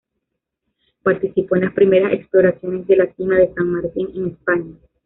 Participó en las primeras exploraciones de la sima de San Martín en España.